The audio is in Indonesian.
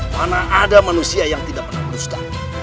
mana ada manusia yang tidak pernah merusak